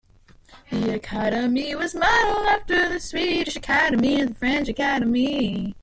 The Academy was modelled after the Swedish Academy and the French Academy.